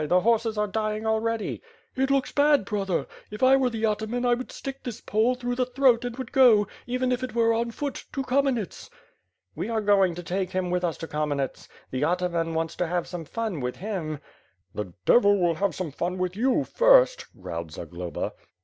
The horses are dying already?" lt looks bad, brother. If I were the ataman I would stick this Pole through the throat and would go, even if it were on foot, to Kanienets." "We are going to take him with us to Kara^nets. The ata man wants to have som€ fun with him." "The devil will have some fun with you, first/' growled Zagloba.